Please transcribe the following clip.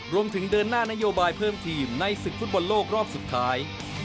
เดินหน้านโยบายเพิ่มทีมในศึกฟุตบอลโลกรอบสุดท้าย